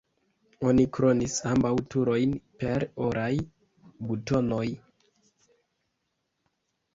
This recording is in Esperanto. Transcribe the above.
Oni kronis ambaŭ turojn per oraj butonoj.